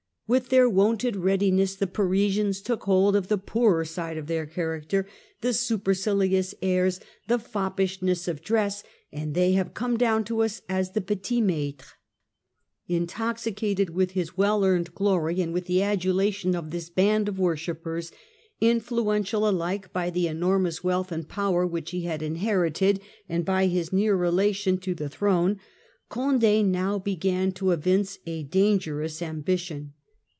With their wonted readiness the Parisians took hold of the poorer side of their character, the supercilious airs, the foppishness of dress, and they have come down to us as the Petits maitres . Intoxicated with his well earned glory and with the adulation of this band of worshippers ; influential alike by the enormous wealth and power which he had inherited, and by his near relation to the throne ; Condd now began to evince a dangerous ambition.